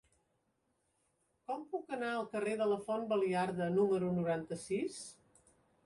Com puc anar al carrer de la Font Baliarda número noranta-sis?